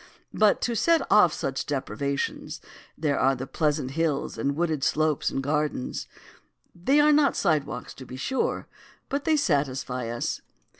But to set off such deprivations there are pleasant hills and wooded slopes and gardens. They are not sidewalks, to be sure, but they satisfy us."